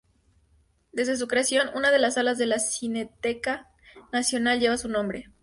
Desde su creación, una de las salas de la Cineteca Nacional lleva su nombre.